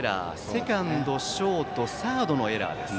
セカンド、ショート、サードのエラーです。